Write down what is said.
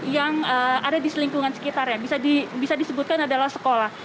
yang ada di selingkungan sekitarnya bisa disebutkan adalah sekolah